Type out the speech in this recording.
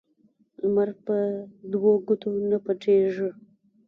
لمر په دو ګوتو نه پټېږي